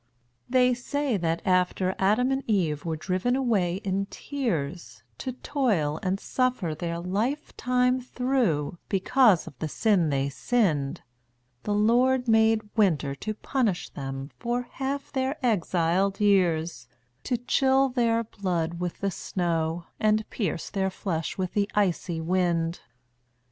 They say that after Adam and Eve were driven away in tears To toil and suffer their life time through, because of the sin they sinned, The Lord made Winter to punish them for half their exiled years, To chill their blood with the snow, and pierce their flesh with the icy wind.